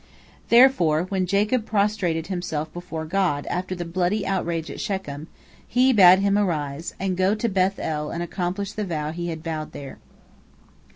Therefore, when Jacob prostrated himself before God after the bloody outrage at Shechem, He bade him arise, and go to Beth el and accomplish the vow he had vowed there.